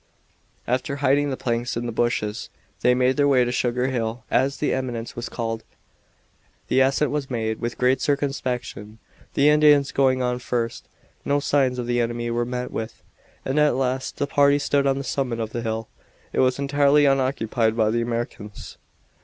After hiding the planks in the bushes they made their way to Sugar Hill, as the eminence was called. The ascent was made with great circumspection, the Indians going on first. No signs of the enemy were met with, and at last the party stood on the summit of the hill. It was entirely unoccupied by the Americans.